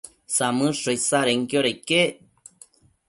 Samëdsho isadenquioda iquec